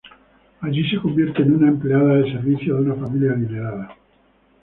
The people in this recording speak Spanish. Allí se convierte en una empleada de servicio de una familia adinerada.